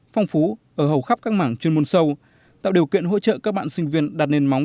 phong phú ở hầu khắp các mảng chuyên môn sâu tạo điều kiện hỗ trợ các bạn sinh viên đạt nền móng